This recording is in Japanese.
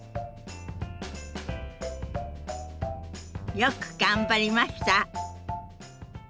よく頑張りました。